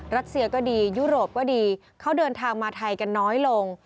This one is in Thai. ัสเซียก็ดียุโรปก็ดีเขาเดินทางมาไทยกันน้อยลง